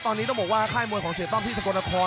ตอนนี้ต้องบอกว่าค่ายมวยของเสียต้อมที่สกลนคร